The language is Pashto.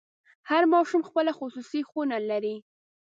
هر ماشوم خپله خصوصي خونه لري.